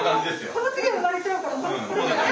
この次産まれちゃうから。